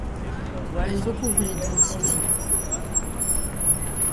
Elles recouvrent les dents incisives.